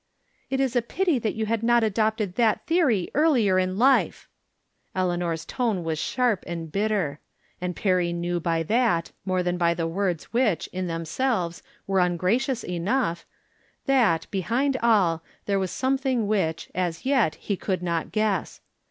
" It is a pity that you had not adopted that theory earlier in life." Eleanor's tone was sharp and bitter. And Perry knew by that, more than by the words which, in themselves, were ungracious enough, that, behind all, there was something which, as yet, he could not guess.